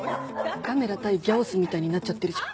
ガメラ対ギャオスみたいになっちゃってるじゃん。